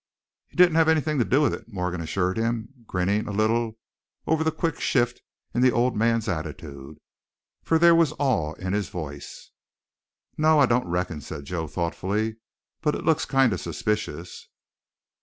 "He didn't have anything to do with it," Morgan assured him, grinning a little over the quick shift in the old man's attitude, for there was awe in his voice. "No, I don't reckon," said Joe thoughtfully, "but it looks kind of suspicious."